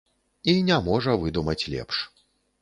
І не можа выдумаць лепш.